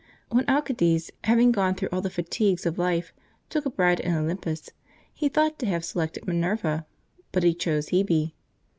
When Alcides, having gone through all the fatigues of life, took a bride in Olympus, he ought to have selected Minerva, but he chose Hebe.